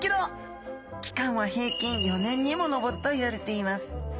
期間は平均４年にも上るといわれています。